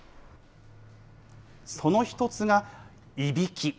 その１つがいびき。